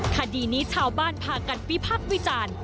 คดีนี้ชาวบ้านพากันวิพักษ์วิจารณ์